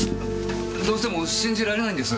どうしても信じられないんです。